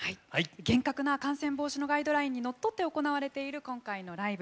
厳格な感染防止のガイドラインにのっとって行われている今回のライブ。